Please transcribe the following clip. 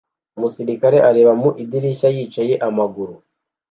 Umusirikare areba mu idirishya yicaye amaguru